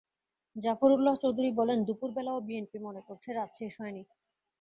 জাফরুল্লাহ চৌধুরী বলেন, দুপুর বেলাও বিএনপি মনে করছে রাত শেষ হয়নি।